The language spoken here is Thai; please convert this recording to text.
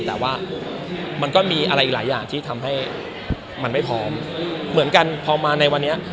แต่ว่ามันก็มีอะไรอีกหลายอย่างที่ทำให้มันไม่พร้อมเหมือนกันพอมาในวันนี้